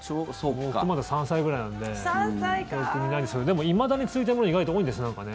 僕まだ３歳ぐらいなので記憶にないですけどでも、いまだに続いているものが意外と多いんですね。